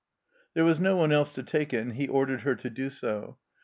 There was no one else to take it, and he ordered her to do so.